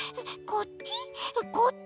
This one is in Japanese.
こっち？